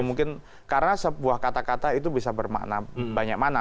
mungkin karena sebuah kata kata itu bisa bermakna banyak mana